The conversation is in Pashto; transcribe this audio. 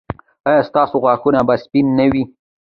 ایا ستاسو غاښونه به سپین نه وي؟